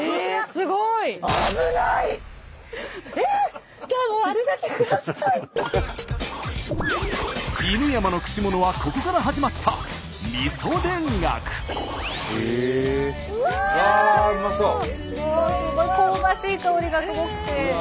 スタジオ香ばしい香りがすごくて。